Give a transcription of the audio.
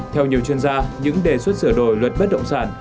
theo nhiều chuyên gia những đề xuất sửa đổi luật bất động sản